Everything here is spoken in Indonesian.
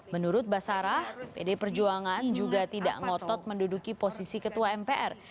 menurut basarah pd perjuangan juga tidak ngotot menduduki posisi ketua mpr